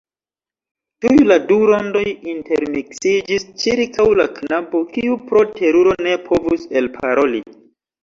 Tuj la du rondoj intermiksiĝis ĉirkaŭ la knabo, kiu pro teruro ne povis elparoli.